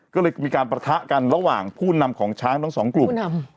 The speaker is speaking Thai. ก็เลยมีการประทะกันระหว่างผู้นำของช้างทั้งสองกลุ่ม